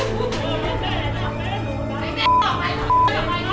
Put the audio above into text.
อย่าเอามันเดินเข้ามา